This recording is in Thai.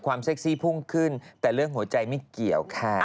เซ็กซี่พุ่งขึ้นแต่เรื่องหัวใจไม่เกี่ยวค่ะ